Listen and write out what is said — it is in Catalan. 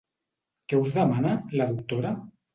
Què us demana, la doctora?